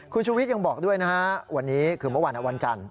คุณชูวิทย์ยังบอกด้วยนะฮะวันนี้คือเมื่อวานวันจันทร์